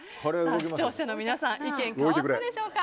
視聴者の皆さん意見変わったでしょうか。